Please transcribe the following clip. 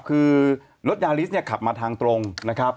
คือรถยาลิสเนี่ยขับมาทางตรงนะครับ